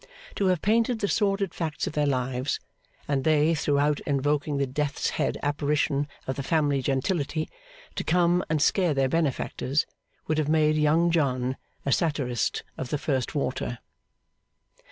To have painted the sordid facts of their lives, and they throughout invoking the death's head apparition of the family gentility to come and scare their benefactors, would have made Young John a satirist of the first water.